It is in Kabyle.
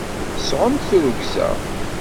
Sɛumt tirrugza!